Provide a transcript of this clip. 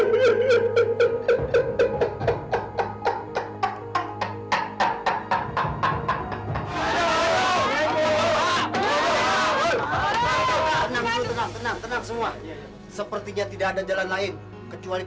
biar kalian semua tidak berani relaksin